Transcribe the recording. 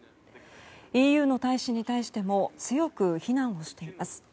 ＥＵの大使に対しても強く非難をしています。